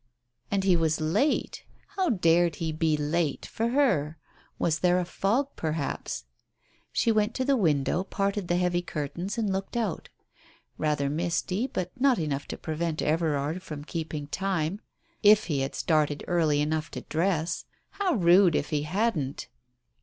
And he was late ! How dared he be late, for her ? Was there a fog perhaps ? She went to the window, parted the heavy curtains, and looked out. Rather misty — but not enough to prevent Everard from keeping time, if he had started early enough to dress! How rude if he hadn't?